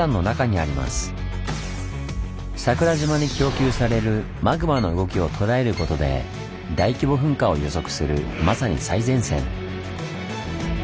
桜島に供給されるマグマの動きを捉えることで大規模噴火を予測するまさに最前線。